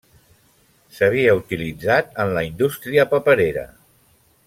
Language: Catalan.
S'havia utilitzat en la indústria paperera.